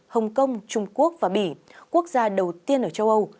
hồng kông trung quốc và bỉ quốc gia đầu tiên ở châu âu